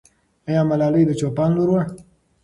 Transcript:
آیا ملالۍ د چوپان لور وه؟